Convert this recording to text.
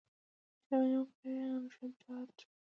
مهرباني وکړه انډریو ډاټ باس